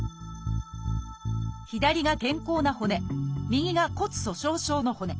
左が健康な骨右が骨粗しょう症の骨。